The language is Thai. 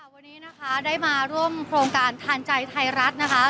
วันนี้นะคะได้มาร่วมโครงการทานใจไทยรัฐนะคะ